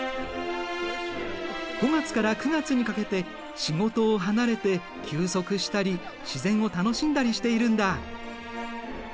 ５月から９月にかけて仕事を離れて休息したり自然を楽しんだりしているんだ。